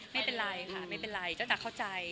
ไม่เป็นไรค่ะไม่เป็นไรเจ้าตาเข้าใจ